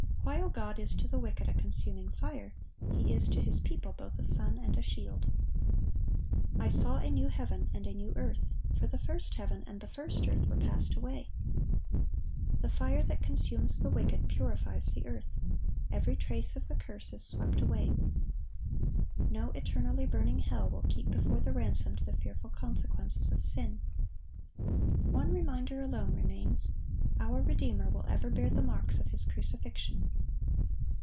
While God is to the wicked a consuming fire, He is to His people both a sun and a shield.(1172) "I saw a new heaven and a new earth: for the first heaven and the first earth were passed away."(1173) The fire that consumes the wicked purifies the earth. Every trace of the curse is swept away. No eternally burning hell will keep before the ransomed the fearful consequences of sin. One reminder alone remains: our Redeemer will ever bear the marks of His crucifixion.